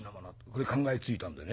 これ考えついたんでね